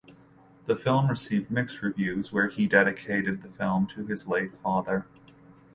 The film received mixed reviews where he dedicated the film to his late father.